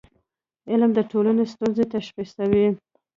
علم د ټولنې ستونزې تشخیصوي.